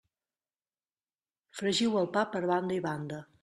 Fregiu el pa per banda i banda.